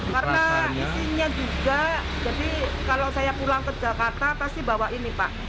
karena isinya juga jadi kalau saya pulang ke jakarta pasti bawa ini pak